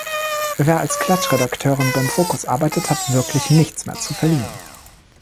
Wer als Klatsch-Redakteurin beim Focus arbeitet, hat wirklich nichts mehr zu verlieren.